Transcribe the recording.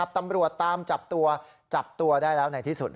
ตำรวจจับตัวได้แล้วในที่สุด